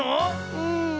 うん。